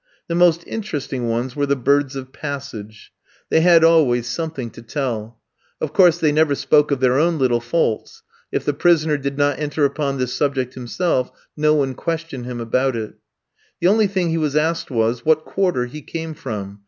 The most interesting ones were the birds of passage: they had always something to tell. Of course they never spoke of their own little faults. If the prisoner did not enter upon this subject himself, no one questioned him about it. The only thing he was asked was, what quarter he came from?